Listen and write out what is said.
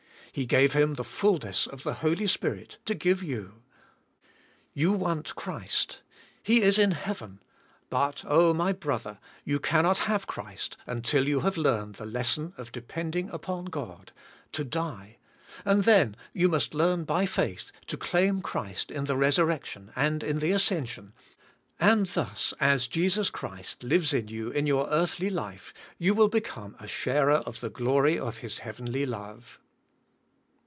He g ave Him the fullness of the Holy Spirit to give you. You want Christ. He is in heaven, but, oh ! my brother, you cannot have Christ until you have learned the lesson of depend ing upon God, to die, and then you must learn by faith to claim Christ in the resurrection and in the ascension, and thus, as Jesus Christ lives in you in your earthly life you will become a sharer of the g lory of His heavenly love.